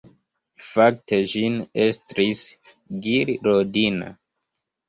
Fakte ĝin estris Gil Rodin.